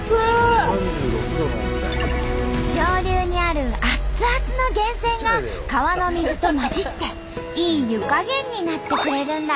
上流にある熱々の源泉が川の水と混じっていい湯加減になってくれるんだって。